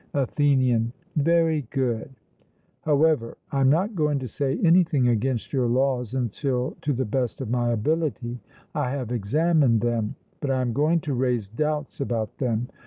ATHENIAN: Very good; however, I am not going to say anything against your laws until to the best of my ability I have examined them, but I am going to raise doubts about them.